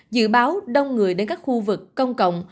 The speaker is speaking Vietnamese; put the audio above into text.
dự báo đông người đến các khu vực công cộng